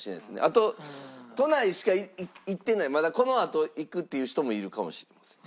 あと都内しか行ってないまだこのあと行く人っていう人もいるかもしれないです。